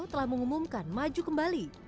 telah mengumumkan maju kembali